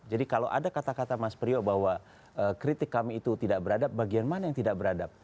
jadi kalau ada kata kata mas priok bahwa kritik kami itu tidak beradab bagian mana yang tidak beradab